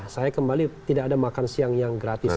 saya kembali tidak ada makan siang yang gratis